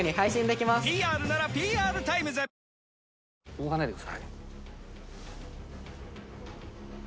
動かないでください。